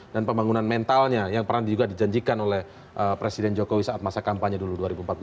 dan pembangunan mentalnya yang pernah juga dijanjikan oleh presiden jokowi saat masa kampanye dulu dua ribu empat belas